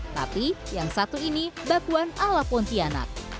tapi yang satu ini bakwan ala pontianak